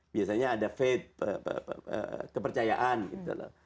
biasanya ada faith kepercayaan gitu loh